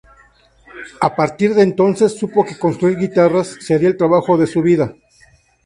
A partir de entonces supo que construir guitarras sería el trabajo de su vida.